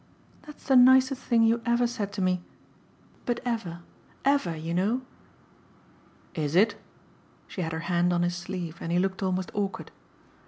"That's the nicest thing you ever said to me. But ever, EVER, you know." "Is it?" She had her hand on his sleeve, and he looked almost awkward.